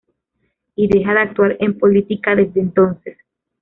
Y deja de actuar en política desde entonces.